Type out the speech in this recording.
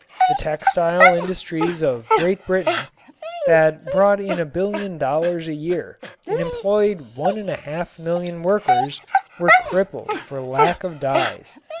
The textile industries of Great Britain, that brought in a billion dollars a year and employed one and a half million workers, were crippled for lack of dyes.